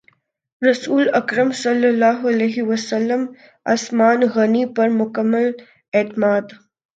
رسول اکرم صلی اللہ علیہ وسلم عثمان غنی پر مکمل اعتماد